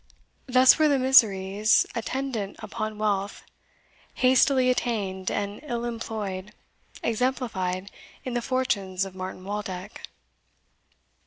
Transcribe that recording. Thus were the miseries attendant upon wealth, hastily attained and ill employed, exemplified in the fortunes of Martin Waldeck.